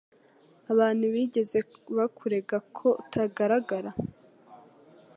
Abantu bigeze bakurega ko utagaragara?